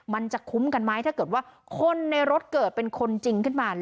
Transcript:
มันจะคุ้มกันไหมถ้าเกิดว่าคนในรถเกิดเป็นคนจริงขึ้นมา